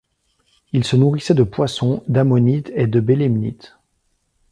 Il se nourrissait de poissons, d'ammonites et de bélemnites.